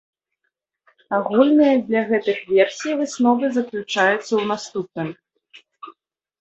Агульныя для гэтых версій высновы заключаюцца ў наступным.